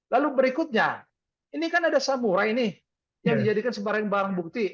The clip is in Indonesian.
lalu berikutnya ini kan ada samura ini yang dijadikan sebarang barang bukti